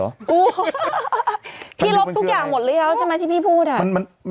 อูววพี่ลบทุกอย่างหมดเลยย้าวใช่ไหมที่พี่พูดอ่ะ